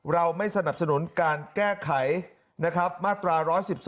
เราไม่สนับสนุนการแก้ไขมาตรา๑๑๒